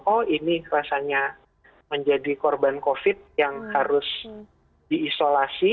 oh ini rasanya menjadi korban covid yang harus diisolasi